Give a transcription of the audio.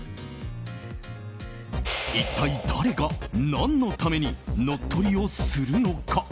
一体、誰が何のために乗っ取りをするのか。